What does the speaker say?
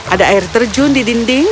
ada air terjun di dinding